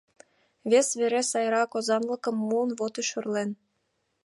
— Вес вере, сайрак озанлыкым муын, вот и шӧрлен.